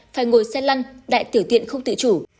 phải ngồi xe lăn đại tiểu tiện không tự chủ